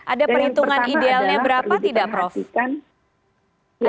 ada perhitungan idealnya berapa tidak prof